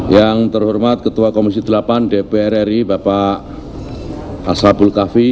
yang terhormat ketua komisi delapan dpr ri bapak hasrabul kafi